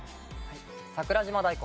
桜島大根。